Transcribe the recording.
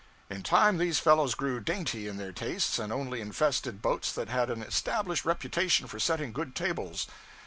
In time these fellows grew dainty in their tastes, and only infested boats that had an established reputation for setting good tables.